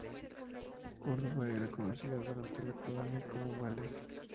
Córdoba era conocido durante la colonia como "Males".